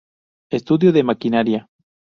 Estudio de maquinaria